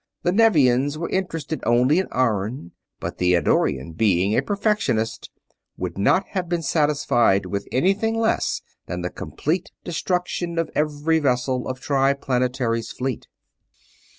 The Nevians were interested only in iron; but the Eddorian, being a perfectionist, would not have been satisfied with anything less than the complete destruction of every vessel of Triplanetary's fleet.